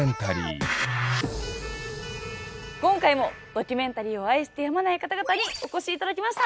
今回もドキュメンタリーを愛してやまない方々にお越し頂きました。